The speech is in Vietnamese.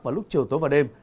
vào lúc chiều tối và đêm